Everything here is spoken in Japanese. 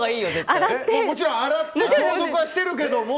もちろん洗って消毒はしてるけども。